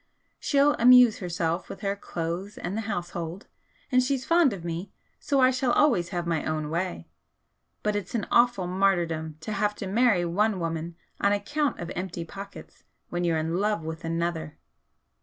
She'll amuse herself with her clothes and the household, and she's fond of me, so I shall always have my own way. But it's an awful martyrdom to have to marry one woman on account of empty pockets when you're in love with another.'